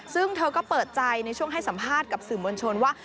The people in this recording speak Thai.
ซึ่งเธอก็เปิดใจในช่วงให้สัมภาษณ์กับสื่อมวลชนว่า